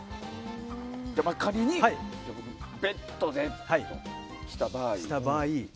仮にベットでとした場合。